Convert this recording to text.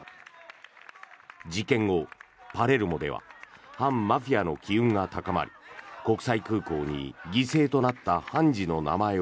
事件後、パレルモでは反マフィアの機運が高まり国際空港に犠牲となった判事の名前を